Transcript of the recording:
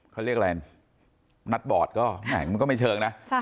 เขาเรียกอะไรนัดบอร์ดก็แหมมันก็ไม่เชิงนะ